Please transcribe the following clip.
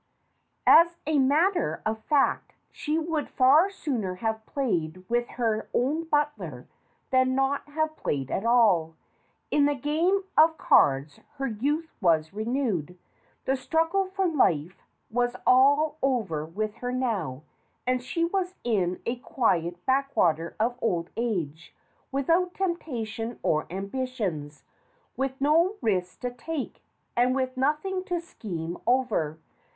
As a mat ter of fact, she would far sooner have played with her own butler than not have played at all. In the game of cards her youth was renewed. The struggle for life was all over with her now, and she was in a quiet back water of old age without temptations or ambitions, with no risks to take, and with nothing to scheme over.